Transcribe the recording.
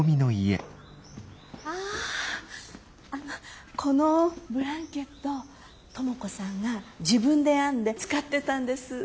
あああのこのブランケット知子さんが自分で編んで使ってたんです。